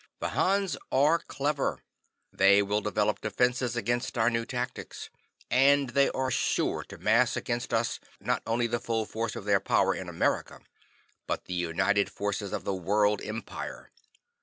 The Hans are clever. They will develop defenses against our new tactics. And they are sure to mass against us not only the full force of their power in America, but the united forces of the World Empire.